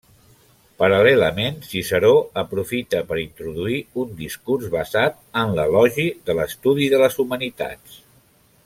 Paral·lelament, Ciceró aprofita per introduir un discurs basat en l'elogi de l'estudi de les humanitats.